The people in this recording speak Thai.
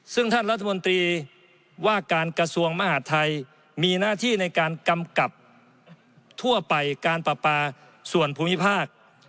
ซึ่งท่านรัฐมนตรีว่าการกระทรวงมหาดไทยมีหน้าที่ในการกำกับทั่วไปการปราปาส่วนภูมิภาค